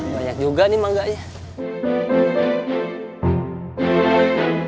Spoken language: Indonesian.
banyak juga nih mangganya